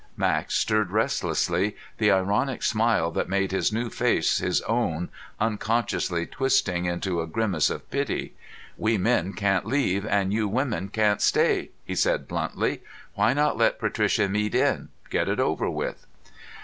Max stirred restlessly, the ironic smile that made his new face his own unconsciously twisting into a grimace of pity. "We men can't leave, and you women can't stay," he said bluntly. "Why not let Patricia Mead in. Get it over with!"